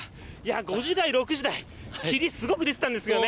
５時台、６時台、霧、すごく出てたんですよね。